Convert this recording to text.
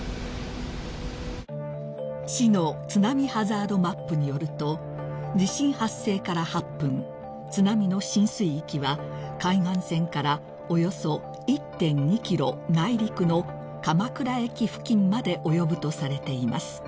［市の津波ハザードマップによると地震発生から８分津波の浸水域は海岸線からおよそ１．２ｋｍ内陸の鎌倉駅付近まで及ぶとされています］